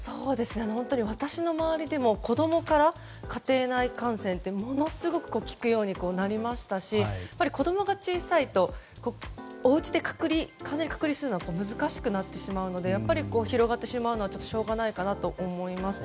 本当に私の周りでも子供から家庭内感染ってものすごく聞くようになりましたし子供が小さいとおうちで完全に隔離するのは難しくなってしまうので広がってしまうのはしょうがないかなと思います。